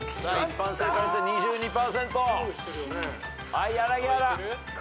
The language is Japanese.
はい柳原。